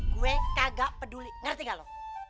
gue kagak peduli ngerti gak loh